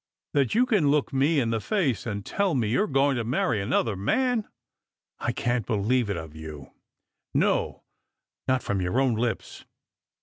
that you can look me in the face and tell me you're going tu marry another man ! I won't believe it of you ; no, not from your own lips.